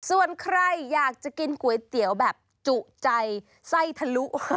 ส่วนใครอยากจะกินก๋วยเตี๋ยวแบบจุใจไส้ทะลุ